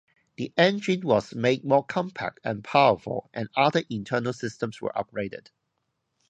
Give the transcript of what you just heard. The engine was made more compact and powerful, and other internal systems were upgraded.